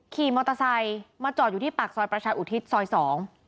ขี่มอเตอร์ไซค์มาจอดอยู่ที่ปากซอยประชาอุทิศซอยสอง